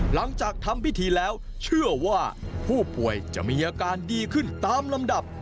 หลังจากทำพิธีแล้วเชื่อว่าผู้ป่วยจะมีอาการดีขึ้นตามลำดับ